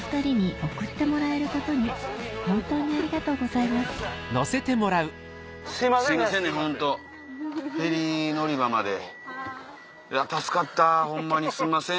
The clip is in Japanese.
いや助かったホンマにすいません。